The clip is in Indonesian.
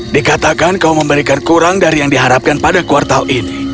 dikatakan kau memberikan kurang dari yang diharapkan pada kuartal ini